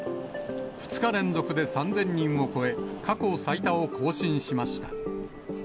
２日連続で３０００人を超え、過去最多を更新しました。